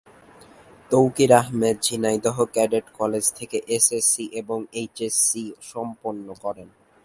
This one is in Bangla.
তৌকির আহমেদ ঝিনাইদহ ক্যাডেট কলেজ থেকে এস এস সি এবং এইচএসসি সম্পন্ন করেন।